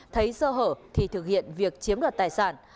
thấy sơ hở thì thực hiện việc chiếm đoạt tài sản